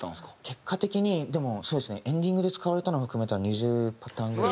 結果的にでもエンディングで使われたのを含めたら２０パターンぐらい。